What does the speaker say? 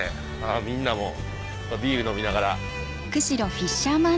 みんなもビール飲みながら。